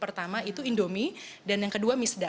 pertama itu indomie dan yang kedua misda